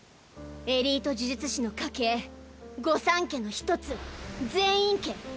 エリート呪術師の家系御三家の一つ禪院家。